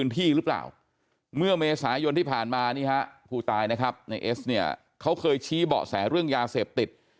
ที่ผ่านมานี่ฮะผู้ตายนะครับในเอสเนี่ยเขาเคยชี้เบาะแสเรื่องยาเสพติด